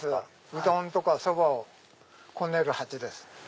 うどんとかそばをこねる鉢です。